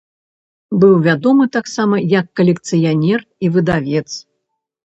Быў вядомы таксама як калекцыянер і выдавец.